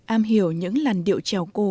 am hiểu những làn điệu trèo cổ